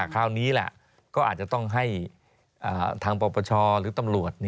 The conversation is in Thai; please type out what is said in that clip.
คราวนี้แหละก็อาจจะต้องให้ทางปปชหรือตำรวจ